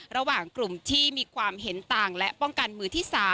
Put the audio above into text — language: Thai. ระหว่างกลุ่มที่มีความเห็นต่างและป้องกันมือที่๓